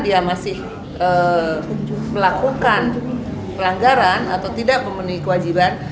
dia masih melakukan pelanggaran atau tidak memenuhi kewajiban